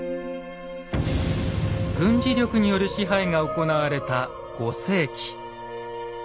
軍事力による支配が行われた５世紀。